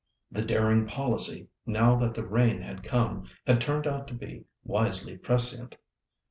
The daring policy, now that the rain had come, had turned out to be wisely prescient.